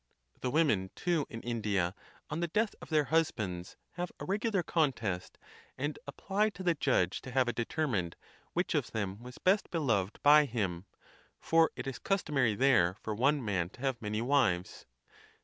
The women, too, in India, on the death of their husbands have a regular contest, and apply to the judge to have it determined which of them was best beloved by him; for it is customary there for one man to have many wives.